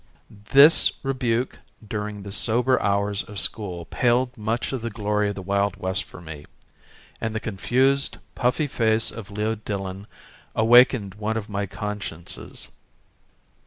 This rebuke during the sober hours of school paled much of the glory of the Wild West for me and the confused puffy face of Leo Dillon awakened one of my consciences.